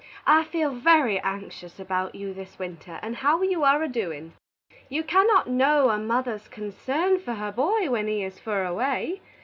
I feal very anctious about you this winter, and how you are a doing. You cannot know a mother's concern for her boy wen he is fur away.